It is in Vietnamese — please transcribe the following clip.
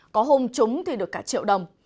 có hôn trúng thì được cả triệu đồng